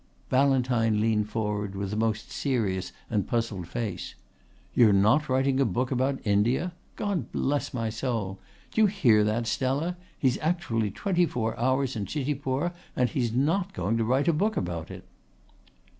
Ballantyne leaned forward with a most serious and puzzled face. "You're not writing a book about India? God bless my soul! D'you hear that, Stella? He's actually twenty four hours in Chitipur and he's not going to write a book about it."